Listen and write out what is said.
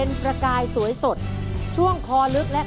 มาแล้ว